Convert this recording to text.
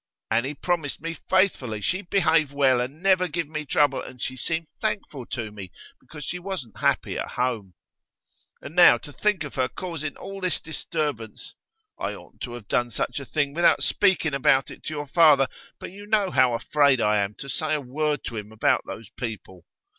Annie promised me faithfully she'd behave well, and never give me trouble, and she seemed thankful to me, because she wasn't happy at home. And now to think of her causing all this disturbance! I oughtn't to have done such a thing without speaking about it to your father; but you know how afraid I am to say a word to him about those people.